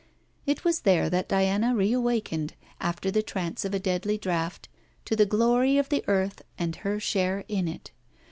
It was there that Diana reawakened, after the trance of a deadly draught, to the glory of the earth and her share in it.